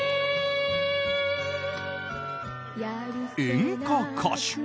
演歌歌手。